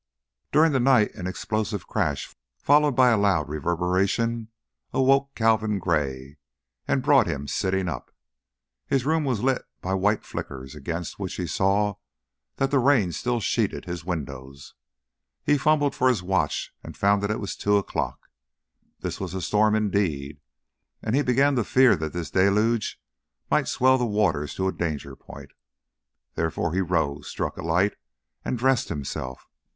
During the night an explosive crash followed by a loud reverberation awoke Calvin Gray and brought him up sitting. His room was lit by white flickers, against which he saw that the rain still sheeted his windows; he fumbled for his watch and found that it was two o'clock. This was a storm, indeed, and he began to fear that this deluge might swell the waters to a danger point; therefore he rose, struck a light, and dressed himself.